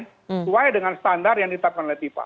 sesuai dengan standar yang ditetapkan oleh fifa